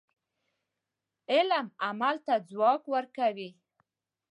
علم عمل ته ځواک ورکوي.